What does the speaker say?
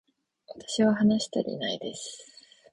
私は話したりないです